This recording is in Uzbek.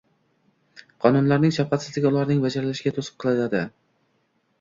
Qonunlarning shafqatsizligi ularning bajarilishiga to‘sqinlik qiladi.